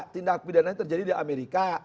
tindak pidananya terjadi di amerika